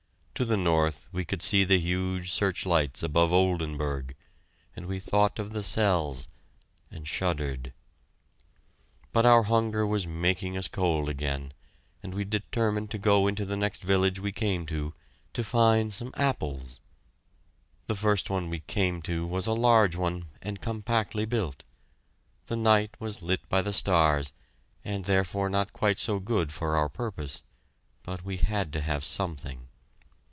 To the north we could see the huge searchlights above Oldenburg, and we thought of the cells and shuddered! But our hunger was making us cold again, and we determined to go into the next village we came to, to find some apples. The first one we came to was a large one, and compactly built. The night was lit by the stars, and therefore not quite so good for our purpose, but we had to have something.